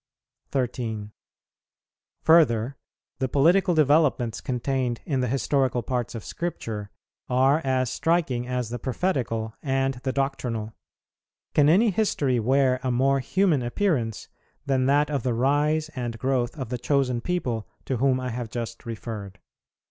13. Further, the political developments contained in the historical parts of Scripture are as striking as the prophetical and the doctrinal. Can any history wear a more human appearance than that of the rise and growth of the chosen people to whom I have just referred?